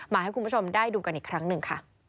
ให้คุณผู้ชมได้ดูกันอีกครั้งหนึ่งค่ะ